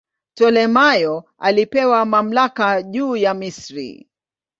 Ptolemaio alipewa mamlaka juu ya Misri.